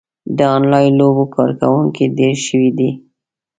د انلاین لوبو کاروونکي ډېر شوي دي.